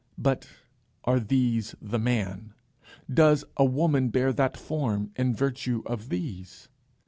But are these the man? Does a woman bear that form in virtue of these?